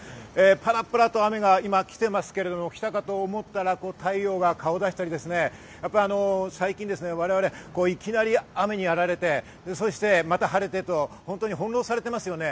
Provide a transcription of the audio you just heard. パラパラと雨が今、来ていますけれど、来たかと思ったら太陽が顔を出したり、最近、我々いきなり雨にやられて、そして、また晴れてと本当に翻弄されてますよね。